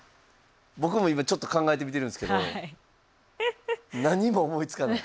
僕も今ちょっと考えてみてるんですけど何も思いつかない。